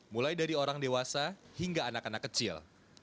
mulai dari orang dewasa hingga anak anak kecil